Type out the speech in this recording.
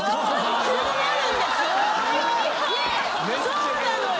そうなのよ！